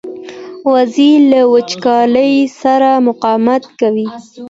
وزې له وچکالۍ سره مقاومت کوي